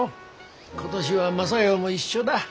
今年は雅代も一緒だ。